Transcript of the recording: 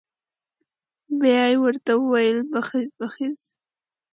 بيا یې ورته وويل بخېز بخېز.